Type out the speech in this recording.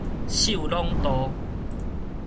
秀朗渡